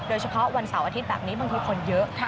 โดยเฉพาะวันเสาร์อาทิตย์แบบนี้บางทีคนเยอะ